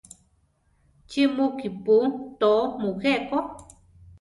¿Chí mu kípu tóo mujé ko?